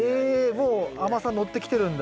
もう甘さのってきてるんだ。